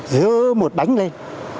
dơ một đánh lên